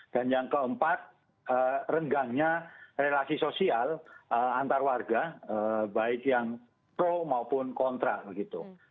dan yang keempat renggangnya relasi sosial antar warga baik yang pro maupun kontra begitu